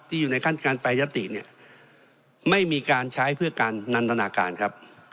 อยู่ในขั้นการแปรยติเนี่ยไม่มีการใช้เพื่อการนันทนาการครับ